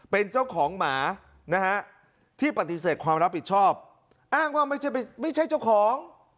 เป็นเจ้าของหมานะฮะที่ปฏิเสธความรับผิดชอบอ้างว่าไม่ใช่เจ้าของ